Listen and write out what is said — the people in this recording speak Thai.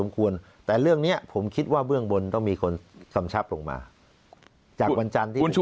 เขาก็แข็งพอสมควร